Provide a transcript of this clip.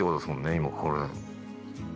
今これ。